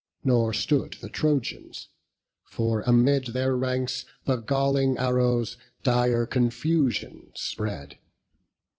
Nor stood the Trojans; for amid their ranks The galling arrows dire confusion spread.